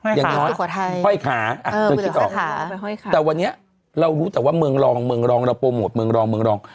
ห้อยขาอเจมส์อย่างน้อยห้อยขาคิดออกแต่วันนี้เรารู้แต่ว่าเมืองรองเราโปรโมทเมืองรอง